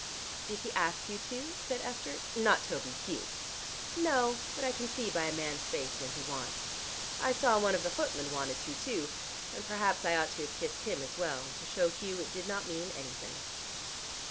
"Did he ask you to?" said Esther, "not Toby, Hugh!" "No, but I can see by a man's face when he wants. I saw one of the footmen wanted, too, and perhaps I ought to have kissed him as well, to show Hugh it did not mean anything."